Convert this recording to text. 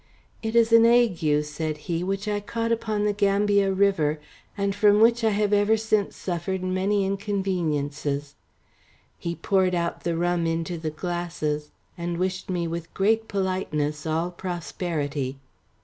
"It is an ague," said he, "which I caught upon the Gambia River, and from which I have ever since suffered many inconveniences;" he poured out the rum into the glasses, and wished me with great politeness all prosperity.